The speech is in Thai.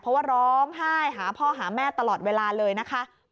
เพราะว่าร้องไห้หาพ่อหาแม่ตลอดเวลาเลยนะคะ